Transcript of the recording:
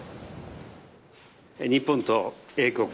日本と英国。